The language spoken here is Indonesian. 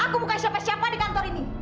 aku bukan siapa siapa di kantor ini